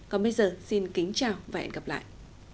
còn bây giờ xin kính chào và hẹn gặp lại